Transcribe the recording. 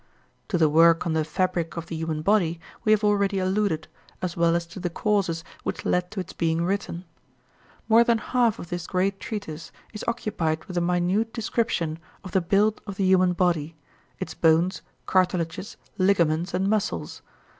To the work on the "Fabric of the Human Body" we have already alluded, as well as to the causes which led to its being written. More than half of this great treatise is occupied with a minute description of the build of the human body its bones, cartilages, ligaments, and muscles.